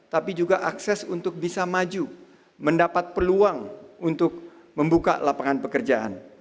tapi juga akses untuk bisa maju mendapat peluang untuk membuka lapangan pekerjaan